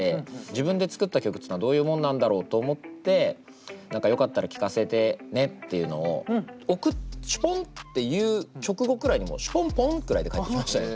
自分で作った曲っつうのはどういうもんなんだろうと思って「よかったら聞かせてね」っていうのをシュポンっていう直後くらいにもうシュポンポンくらいで返ってきましたね。